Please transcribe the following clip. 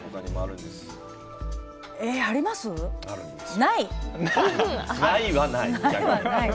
ないは、ない。